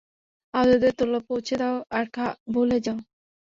আহতদের তোলো, পৌঁছে দাও আর ভুলে যাও।